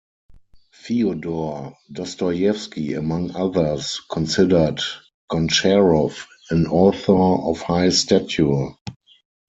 Fyodor Dostoyevsky, among others, considered Goncharov an author of high stature.